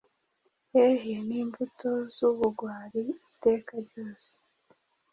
Hehe n’imbuto y’ubugwari iteka ryose